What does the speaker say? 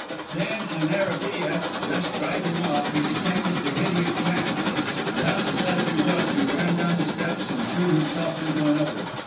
Then, in an arabîyeh just driving off, he detected the hideous mask. Hatless as he was, he ran down the steps and threw himself into another.